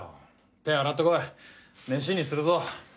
手洗ってこいメシにするぞ。